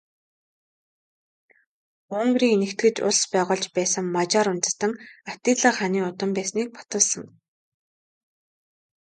Унгарыг нэгтгэж улс байгуулж байсан Мажар үндэстэн Атилла хааны удам байсныг баталсан.